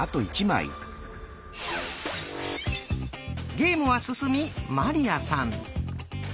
ゲームは進み鞠杏さん。